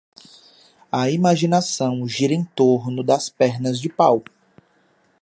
A imaginação gira em torno das pernas de pau.